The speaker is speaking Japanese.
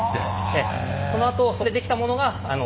そのあとそれでできたものが廊下に。